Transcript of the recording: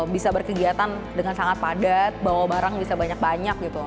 bisa berkegiatan dengan sangat padat bawa barang bisa banyak banyak gitu